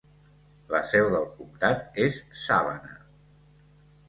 La seu del comtat és Savannah.